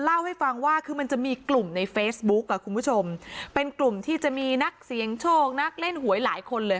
เล่าให้ฟังว่าคือมันจะมีกลุ่มในเฟซบุ๊กอ่ะคุณผู้ชมเป็นกลุ่มที่จะมีนักเสียงโชคนักเล่นหวยหลายคนเลย